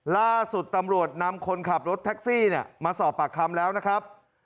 ล่าสุดตำรวจนำคนขับรถแท็กซี่มาสอบปากคำแล้วนะครับ